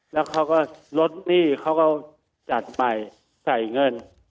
แล้วเขาก็ลดหนี้เขาก็จัดไปใส่เงิน